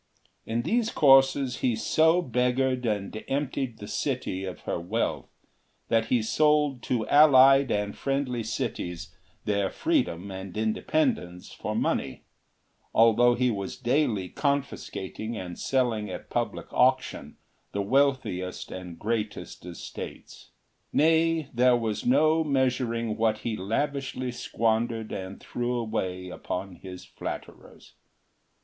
In these courses he so beggared and emptied the city of her wealth that he sold to allied and friendly cities their freedom and independence for money, although he was daily confiscating and selling at public auction the wealthiest and greatest estates. Nay, there was no measuring what he lavishly squandered and threw away upon his flatterers.